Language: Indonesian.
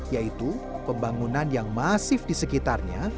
yaitu pembangunan yang masif di sekitarnya